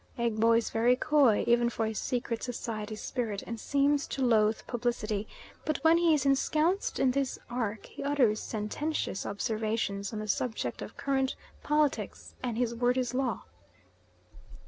Egbo is very coy, even for a secret society spirit, and seems to loathe publicity; but when he is ensconced in this ark he utters sententious observations on the subject of current politics, and his word is law.